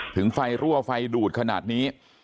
ถึงไฟรั่วไฟดูดขนาดนี้